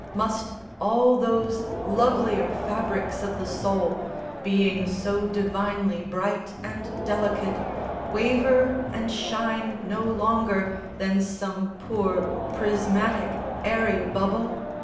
Must all those lovelier fabrics of the soul, Being so divinely bright and delicate, Waver and shine no longer than some poor Prismatic aery bubble?